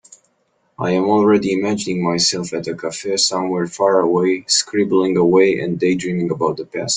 I am already imagining myself at a cafe somewhere far away, scribbling away and daydreaming about the past.